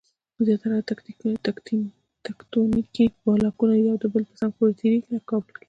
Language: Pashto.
زیاره تکتونیکي بلاکونه یو د بل په څنګ پورې تېریږي. لکه کابل کې